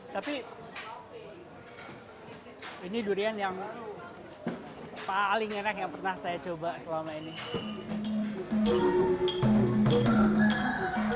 tapi ini durian yang paling enak yang pernah saya coba selama ini